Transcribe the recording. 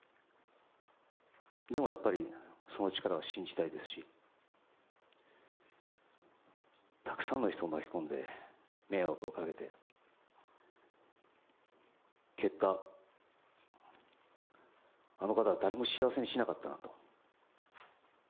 でも、やっぱりその力は信じたいですしたくさんの人を巻き込んで迷惑をかけて結果、あの方は誰も幸せにしなかったなと。